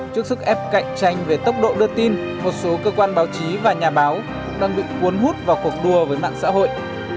trước sức ép cạnh tranh về tốc độ đưa tin một số cơ quan báo chí và nhà báo cũng đang bị cuốn hút vào cuộc đua với mạng xã hội